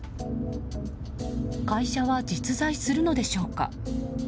会社は実在するのでしょうか。